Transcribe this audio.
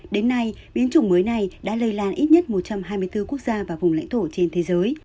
đến nay biến chủng mới này đã lây lan ít nhất một trăm hai mươi bốn quốc gia và vùng lãnh thổ trên thế giới